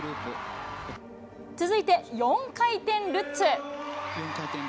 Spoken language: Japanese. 続いて４回転ルッツ。